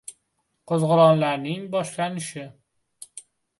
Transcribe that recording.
Qo‘zg‘olonlarning boshlanishi.